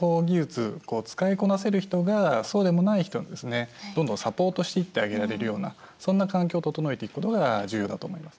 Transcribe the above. こう使いこなせる人がそうでもない人をですねどんどんサポートしていってあげられるようなそんな環境を整えていくことが重要だと思います。